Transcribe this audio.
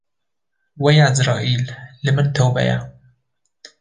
Wey Ezraîl li min tewbe ye